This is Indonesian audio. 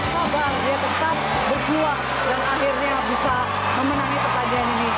sabar dia tetap berjuang dan akhirnya bisa memenangi pertandingan ini